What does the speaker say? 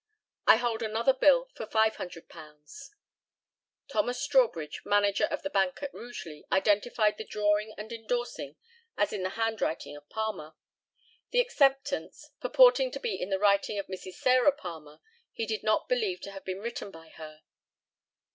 I hold another bill for £500. [Thomas Strawbridge, manager of the bank at Rugeley, identified the drawing and endorsing as in the handwriting of Palmer. The acceptance, purporting to be in the writing of Mrs. Sarah Palmer, he did not believe to have been written by her.